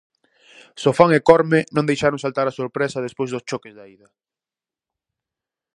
Sofán e Corme non deixaron saltar a sorpresa despois dos choques da ida.